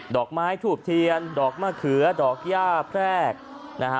ดอกไม้ถูกเทียวดอกมะเขือดอกหญ้าแพร่ง